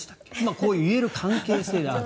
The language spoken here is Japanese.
こう言える関係性がある。